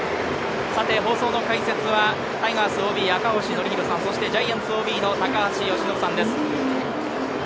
放送の解説はタイガースＯＢ・赤星憲広さん、ジャイアンツＯＢの高橋由伸さんです。